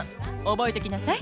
覚えときなさい。